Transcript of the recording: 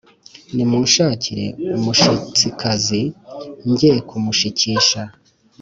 Nimunshakire umushitsikazi njye kumushikisha